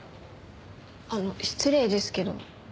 あの失礼ですけど？